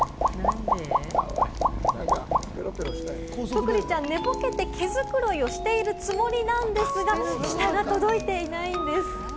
ぷくりちゃん、寝ぼけて毛づくろいしているつもりなんですが、舌が届いていないんです。